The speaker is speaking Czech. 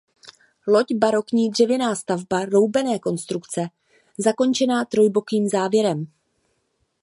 Loď barokní dřevěná stavba roubené konstrukce zakončená trojbokým závěrem.